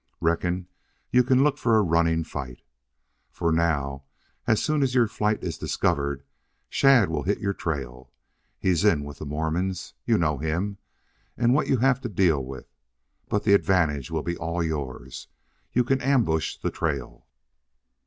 Reckon you can look for a running fight. For now, as soon as your flight is discovered, Shadd will hit your trail. He's in with the Mormons. You know him what you'll have to deal with. But the advantage will all be yours. You can ambush the trail."